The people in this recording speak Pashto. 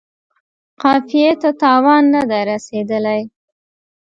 قافیې ته تاوان نه دی رسیدلی.